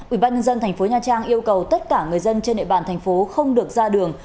ubnd tp nha trang yêu cầu tất cả người dân trên địa bàn thành phố không được ra đường